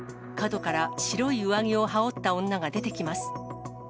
角から白い上着を羽織った女が出てきます。